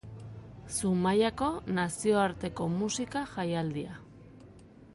Zumaiako nazioarteko musika-jaialdia.